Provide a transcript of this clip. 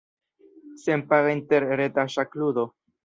Senpaga interreta ŝakludo.